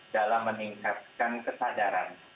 dalam meningkatkan kesadaran